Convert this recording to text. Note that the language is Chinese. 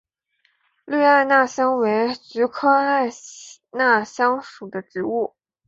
绿艾纳香为菊科艾纳香属的植物。